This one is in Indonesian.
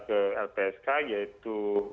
ke lpsk yaitu